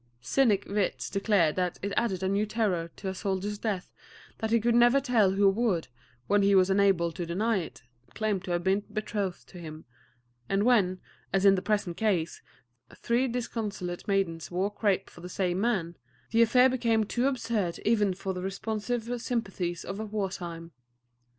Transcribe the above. Cynic wits declared that it added a new terror to a soldier's death that he could never tell who would, when he was unable to deny it, claim to have been betrothed to him; and when, as in the present case, three disconsolate maidens wore crape for the same man, the affair became too absurd even for the responsive sympathies of war time.